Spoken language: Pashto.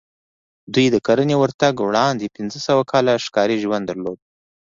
دوی د کرنې ورتګ وړاندې پنځه سوه کاله ښکاري ژوند درلود